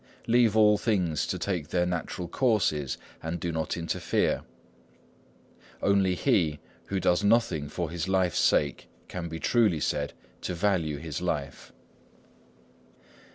"Leave all things to take their natural courses, and do not interfere." "Only he who does nothing for his life's sake can be truly said to value his life."